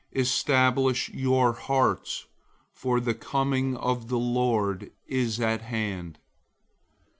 Establish your hearts, for the coming of the Lord is at hand.